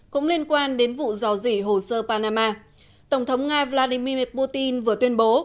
cũng liên quan đến vụ dò dỉ hồ sơ panama tổng thống nga vladimir putin vừa tuyên bố